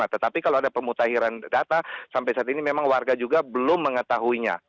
tetapi kalau ada pemutahiran data sampai saat ini memang warga juga belum mengetahuinya